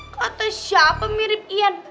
kata siapa mirip ian